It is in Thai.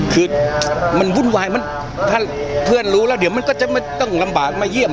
คือมันวุ่นวายมันถ้าเพื่อนรู้แล้วเดี๋ยวมันก็จะไม่ต้องลำบากมาเยี่ยม